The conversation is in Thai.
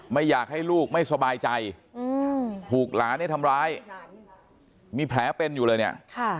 ไม่อยากให้ลูกไม่สบายใจถูกหลานเนี่ยทำร้ายมีแผลเป็นอยู่เลยเนี่ย